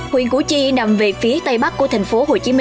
huyện củ chi nằm về phía tây bắc của tp hcm